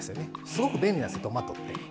すごく便利なんです、トマトって。